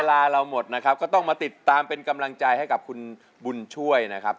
เวลาเราหมดนะครับก็ต้องมาติดตามเป็นกำลังใจให้กับคุณบุญช่วยนะครับ